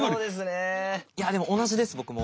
いやでも同じです僕も。